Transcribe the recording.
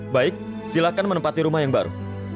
baik silakan menempati rumah yang baru